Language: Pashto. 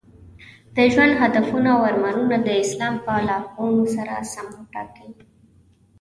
د ژوند هدفونه او ارمانونه د اسلام په لارښوونو سره سم وټاکئ.